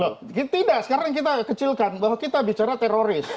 loh tidak sekarang kita kecilkan bahwa kita bicara teroris